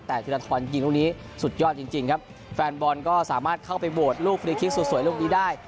แต่ธีรทรยิงลูกนี้สุดยอดจริงจริงครับแฟนบอลก็สามารถเข้าไปโหวตลูกฟรีคลิกสุดสวยลูกนี้ได้